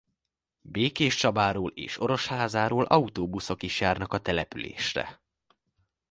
Békéscsabáról és Orosházáról autóbuszok is járnak a településre.